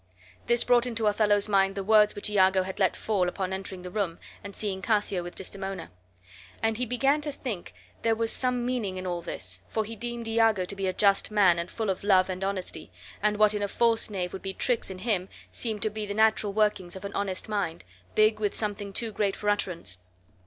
This brought into Othello's mind the words which Iago had let fall upon entering the room and seeing Cassio with Desdemona; and he began to think there was some meaning in all this, for he deemed Iago to be a just man, and full of love and honesty, and what in a false knave would be tricks in him seemed to be the natural workings of an honest mind, big with something too great for utterance.